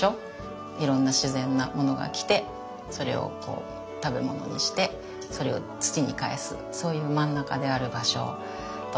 いろんな自然なものが来てそれをこう食べ物にしてそれを土に返すそういう真ん中である場所と思ってます。